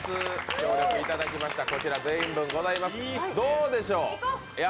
協力いただきましたこちら、全員分ございます。